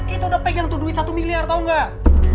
itu udah pegang tuh duit satu miliar tau gak